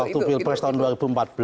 waktu pilpres tahun ke dua